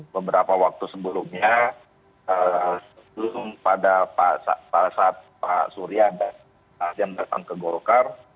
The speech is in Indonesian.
beberapa waktu sebelumnya belum pada saat pak surya dan nasdem datang ke golkar